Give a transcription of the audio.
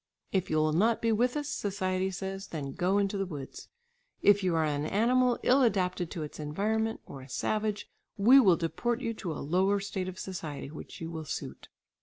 "If you will not be with us," society says, "then go into the woods. If you are an animal ill adapted to its environment, or a savage, we will deport you to a lower state of society which you will suit."